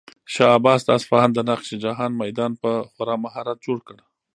شاه عباس د اصفهان د نقش جهان میدان په خورا مهارت جوړ کړ.